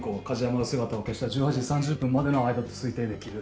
梶山が姿を消した１８時３０分までの間と推定できる。